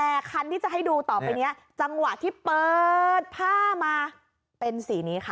แต่คันที่จะให้ดูต่อไปนี้จังหวะที่เปิดผ้ามาเป็นสีนี้ค่ะ